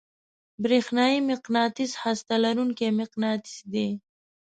برېښنايي مقناطیس هسته لرونکی مقناطیس دی.